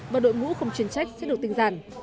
và đội ngũ không chuyên trách sẽ được tinh giản